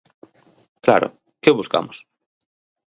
Claro, ¿que buscamos?